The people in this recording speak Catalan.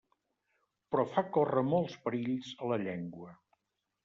Però fa córrer molts perills a la llengua.